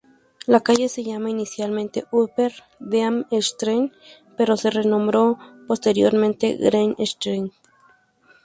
La calle se llamaba inicialmente Upper Dean Street, pero se renombró posteriormente Grey Street.